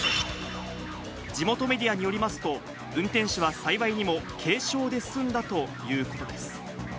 地元メディアによりますと、運転手は幸いにも軽傷で済んだということです。